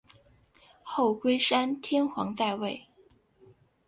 后龟山天皇在位。